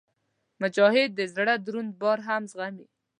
مجاهد د زړه دروند بار هم زغمي.